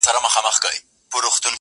پشي د خدای لپاره موږک نه نیسي -